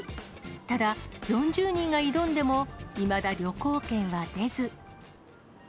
ただ、４０人が挑んでも、いまだ旅行券は出ず。